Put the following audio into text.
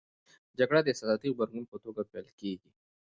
جګړه د احساساتي غبرګون په توګه پیل کېږي.